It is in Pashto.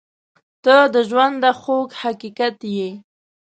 • ته د ژونده خوږ حقیقت یې.